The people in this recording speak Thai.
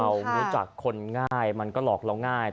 เรารู้จักคนง่ายมันก็หลอกเราง่าย